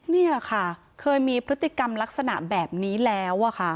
นี่ค่ะเคยมีพฤติกรรมลักษณะแบบนี้แล้วค่ะ